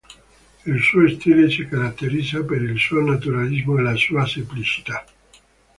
Il suo stile si caratterizza per il suo naturalismo e la sua semplicità.